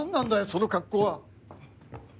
その格好は。